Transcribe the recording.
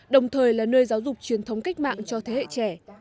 đồng thời là nơi giáo dục truyền thống cách mạng cho thế hệ trẻ